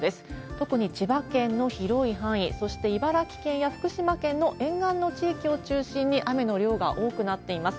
特に千葉県の広い範囲、そして茨城県や福島県の沿岸の地域を中心に、雨の量が多くなっています。